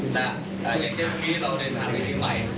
บ้านนะครับนะฮะอย่างเช่นพวกนี้เราในสถานการณ์นี้ใหม่